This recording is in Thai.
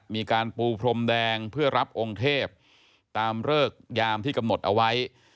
มีการปูพรมแดงเพื่อรับองค์เทพตามเลิกยามที่กำหนดเอาไว้